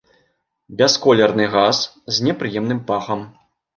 Бясколерны газ з непрыемным пахам.